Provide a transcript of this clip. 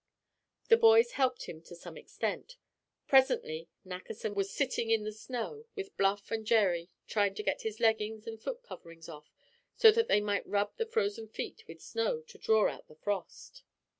The boys helped him to some extent. Presently Nackerson was sitting in the snow, with Bluff and Jerry trying to get his leggings and foot coverings off so that they might rub the frozen feet with snow to draw out the frost.